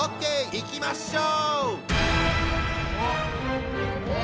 いきましょう！